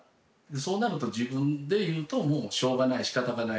そうなると自分で言うともうしょうがない仕方がない